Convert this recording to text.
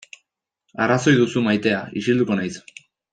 Arrazoi duzu maitea, isilduko naiz.